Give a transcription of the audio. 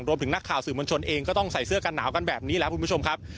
นักข่าวสื่อมวลชนเองก็ต้องใส่เสื้อกันหนาวกันแบบนี้แหละคุณผู้ชมครับ